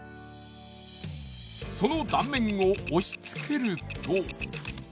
その断面を押しつけると。